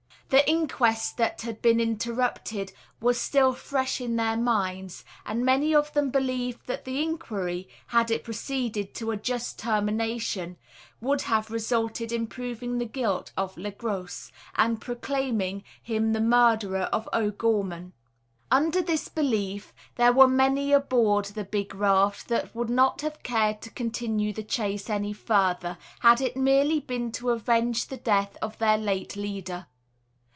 The inquest that had been interrupted was still fresh in their minds, and many of them believed that the inquiry had it proceeded to a just termination would have resulted in proving the guilt of Le Gros, and proclaiming him the murderer of O'Gorman. Under this belief, there were many aboard the big raft that would not have cared to continue the chase any further, had it merely been to avenge the death of their late leader.